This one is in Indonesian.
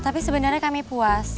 tapi sebenarnya kami puas